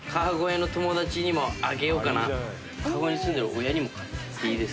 川越に住んでる親にも買っていいですか？